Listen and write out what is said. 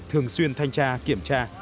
thường xuyên thanh tra kiểm tra